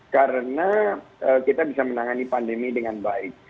karena kita bisa menangani pandemi dengan baik